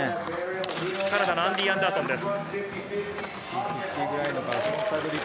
カナダのアンディー・アンダーソンです。